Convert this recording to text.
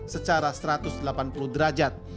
secara satu ratus delapan puluh derajat